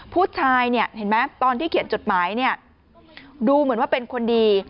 ผู้ชายเนี่ยเห็นไหมตอนที่เขียนจดหมายเนี่ยดูเหมือนว่าเป็นคนดี